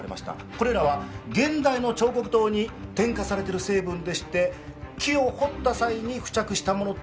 これらは現代の彫刻刀に添加されてる成分でして木を彫った際に付着したものと考えられます。